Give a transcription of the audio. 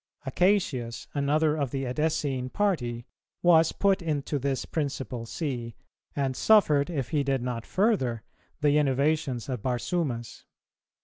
Acacius, another of the Edessene party, was put into this principal See, and suffered, if he did not further, the innovations of Barsumas.